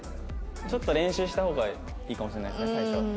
ちょっと練習した方がいいかもしれないですね